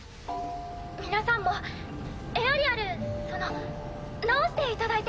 皆さんもエアリアルその直していただいて。